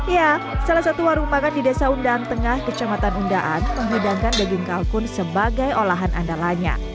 ya salah satu warung makan di desa undang tengah kecamatan undaan menghidangkan daging kalkun sebagai olahan andalanya